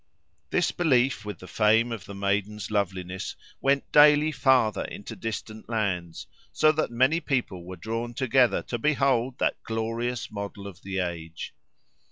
This belief, with the fame of the maiden's loveliness, went daily further into distant lands, so that many people were drawn together to behold that glorious model of the age.